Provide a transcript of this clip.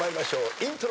イントロ。